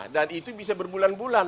dan itu bisa berbulan bulan